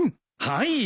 はい。